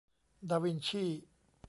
ดาวินชี